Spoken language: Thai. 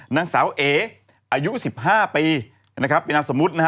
นางสาวเอ๋อายุสิบห้าปีนะครับไปนับสมมุตินะฮะ